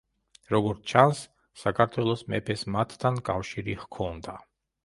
როგორც ჩანს, საქართველოს მეფეს მათთან კავშირი ჰქონდა.